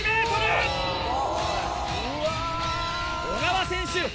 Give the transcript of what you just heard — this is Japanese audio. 小川選手